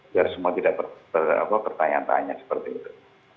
biar semua tidak pertanyaan tanya seperti itu